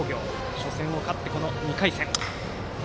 初戦を勝って、２回戦。